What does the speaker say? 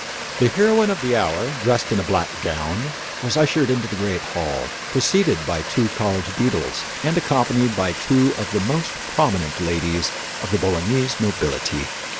The heroine of the hour, dressed in a black gown, was ushered into the great hall, preceded by two college beadles and accompanied by two of the most prominent ladies of the Bolognese nobility.